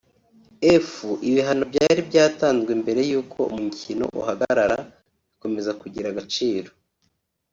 F) Ibihano byari byatanzwe mbere y’uko umukino uhagarara bikomeza kugira agaciro